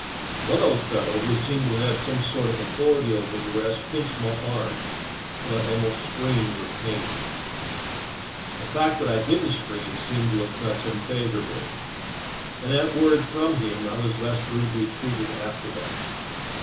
One old fellow who seemed to have some sort of authority over the rest pinched my arm till I almost screamed with pain ; the fact that I did n't scream seemed to impress him favorably, and at CAPTURED BY CANNIBALS. a word from him I was less rudely treated after that.